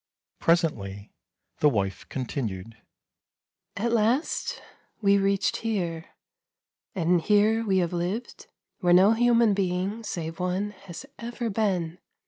Presently the wife continued :" At last we reached here, and here we have lived, where no human being, save one, has ever been.